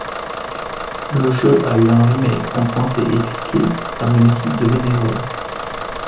Le jeu a eu un remake en pointer-et-cliquer par une équipe de bénévoles.